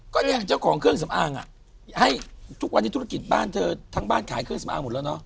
ก็เนี่ยเจ้าของเครื่องสำอางอ่ะให้ทุกวันนี้ธุรกิจบ้านเธอทั้งบ้านขายเครื่องสำอางหมดแล้วเนาะ